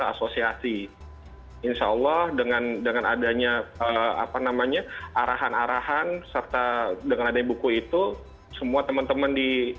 autostitra hey ini external dan sekraer investering atau adanya al sachen bahan yang candy